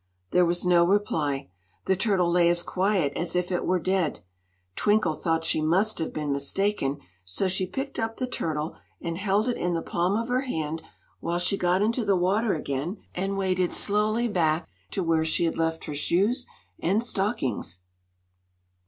There was no reply. The turtle lay as quiet as if it were dead. Twinkle thought she must have been mistaken; so she picked up the turtle and held it in the palm of her hand while she got into the water again and waded slowly back to where she had left her shoes and stockings.